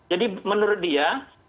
jadi menurut dia